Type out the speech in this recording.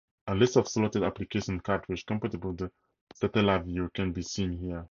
A list of slotted application cartridges compatible with the Satellaview can be seen here.